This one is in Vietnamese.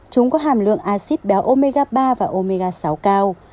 chúng có hàm lượng acid béo omega ba và omega sáu cao